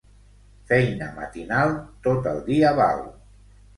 Feina matinal, tot el dia val.